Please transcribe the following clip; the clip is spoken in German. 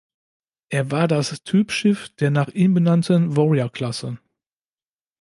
Er war das Typschiff der nach ihm benannten "Warrior"-Klasse.